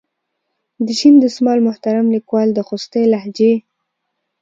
د شین دسمال محترم لیکوال د خوستي لهجې.